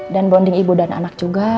dan bonding ibu dan anak juga